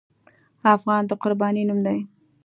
افغان د قربانۍ نوم دی.